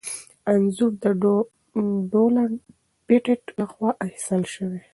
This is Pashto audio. انځور د ډونلډ پېټټ لخوا اخیستل شوی.